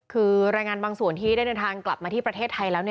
คือรายงานบางส่วนที่ได้เดินทางกลับมาที่ประเทศไทยแล้ว